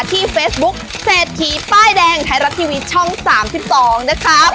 ที่เฟซบุ๊คเศรษฐีป้ายแดงไทยรัฐทีวีช่อง๓๒นะครับ